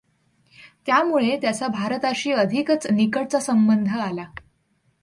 त्यामुळे त्याचा भारताशी अधिकच निकटचा संबंध आला.